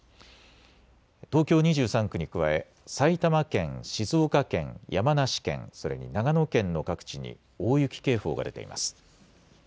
東京２３区に加え埼玉県、静岡県、山梨県、それに長野県の各地に大雪警報が出ています。